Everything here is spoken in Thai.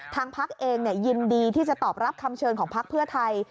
พักเองยินดีที่จะตอบรับคำเชิญของพักเพื่อไทย